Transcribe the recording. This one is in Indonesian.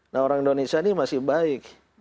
nah orang indonesia ini masih baik